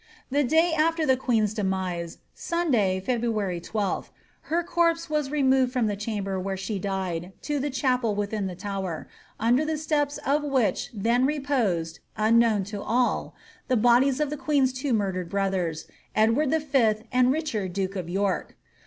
The day afVer the queen's demise, Sunday, February 12th, her corpse was removed from ikt chamber where she died to the chapel within the Tower, under the steps of which then reposed, unknown to all, the bodies of the queen^s two murdered brothers, Edward V. and Richard duke of York.